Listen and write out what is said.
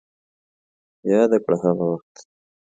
ياده کړه هغه وخت